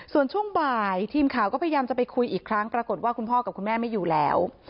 ส่วนช่วงบ่ายทีมข่าวก็พยายามจะไปคุยอีกครั้งปรากฏว่าคุณพ่อกับคุณแม่ไม่อยู่แล้ว